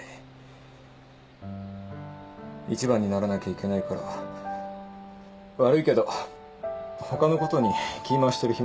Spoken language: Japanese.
一番にならなきゃいけないから悪いけど他のことに気ぃ回してる暇ないんです。